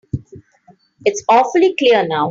It's awfully clear now.